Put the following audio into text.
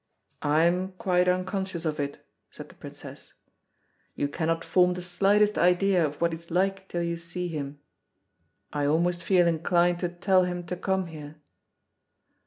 "I'm quite unconscious of it," said the Princess. "You cannot form the slightest idea of what he's like till you see him. I almost feel inclined to tell him to come here."